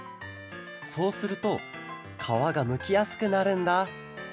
そうするとかわがむきやすくなるんだ。